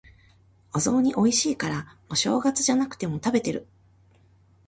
お雑煮美味しいから、お正月じゃなくても食べてる。